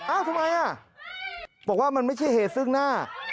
ทำไมอ่ะบอกว่ามันไม่ใช่เหตุซึ่งหน้า